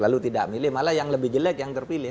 lalu tidak milih malah yang lebih jelek yang terpilih